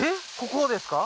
ここをですか？